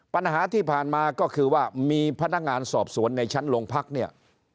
ปัญหาที่ผ่านมาก็คือว่ามีพนักงานสอบสวนในชั้นโรงพักเนี่ย